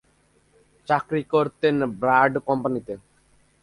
চাকরি করতেন বার্ড কোম্পানিতে।